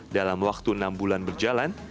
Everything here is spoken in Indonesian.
dalam waktu enam bulan berjalan